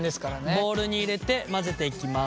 ボウルに入れて混ぜていきます。